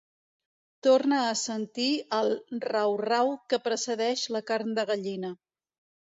Torna a sentir el rau-rau que precedeix la carn de gallina.